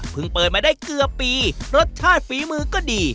เปิดมาได้เกือบปีรสชาติฝีมือก็ดี